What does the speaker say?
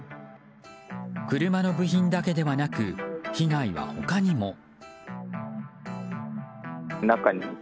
車の部品だけではなく被害は他にも。